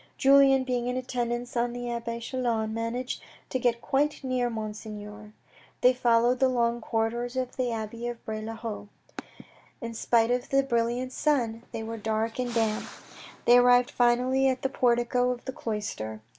Julien being in attendance on the abbe Chelan managed to get quite near Monseigneur. They followed the long corridors of the abbey of Bray le Haut. In spite of the ii2 THE RED AND THE BLACK brilliant sun they were dark and damp. They arrived finally at the portico of the cloister.